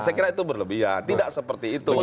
saya kira itu berlebihan tidak seperti itu